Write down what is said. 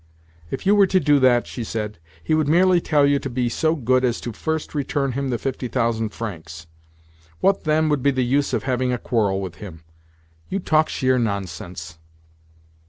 "If you were to do that," she said, "he would merely tell you to be so good as first to return him the fifty thousand francs. What, then, would be the use of having a quarrel with him? You talk sheer nonsense."